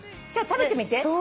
ちょっと食べてみて。